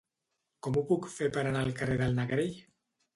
Com ho puc fer per anar al carrer de Negrell?